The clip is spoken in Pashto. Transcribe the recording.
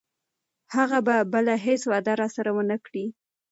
هغه به بله هیڅ وعده راسره ونه کړي.